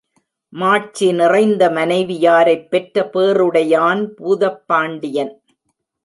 மாட்சி நிறைந்த மனைவி யாரைப் பெற்ற பேறுடையான் பூதப்பாண்டியன்.